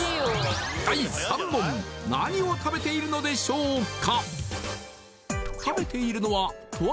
第３問何を食べているのでしょうか？